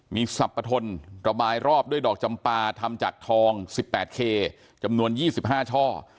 มีสรรพทนระบายรอบด้วยดอกจำปลาทำจากทอง๑๘เคจำนวน๒๕ช่อ